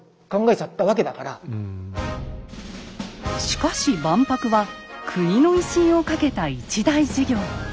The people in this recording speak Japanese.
しかし万博は国の威信を懸けた一大事業。